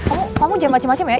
eh kamu jangan macem macem ya